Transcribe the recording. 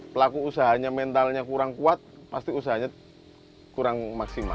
pelaku usahanya mentalnya kurang kuat pasti usahanya kurang maksimal